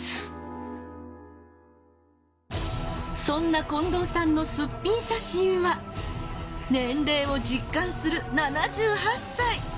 そんな近藤さんのすっぴん写真は年齢を実感する７８歳。